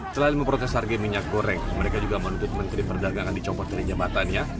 selain memprotes harga minyak goreng mereka juga menuntut menteri perdagangan dicopot dari jabatannya